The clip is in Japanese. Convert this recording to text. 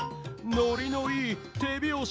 ノリのいいてびょうし。